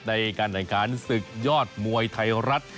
ในการแข่งขันศึกยอดมวยไทยรัฐ